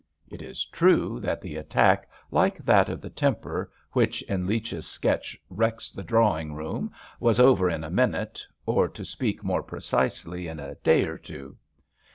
It is true that the attack, like that of the temper, which in Leech's sketch wrecks the drawing room, was over in a minute," or to speak more precisely, in a day or two.